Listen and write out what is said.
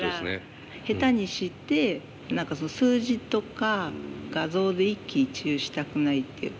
だから下手に知って何かその数字とか画像で一喜一憂したくないっていうか。